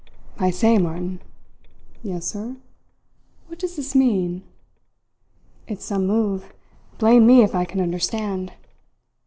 "I say, Martin!" "Yes, sir." "What does this mean?" "It's some move. Blame me if I can understand."